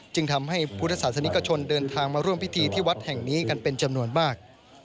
จึงทำให้พุทธศาสนิกชนเดินทางมาร่วมพิธีที่วัดแห่งนี้กันเป็นจำนวนมาก